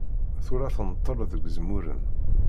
Tura tenṭel deg Zemmuren.